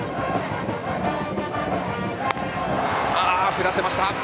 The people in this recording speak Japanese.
振らせました。